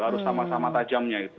harus sama sama tajamnya itu